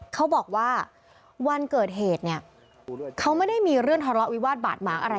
เขาบอกว่าวันเกิดเหตุเนี่ยเขาไม่ได้มีเรื่องทะเลาะวิวาสบาดหมางอะไร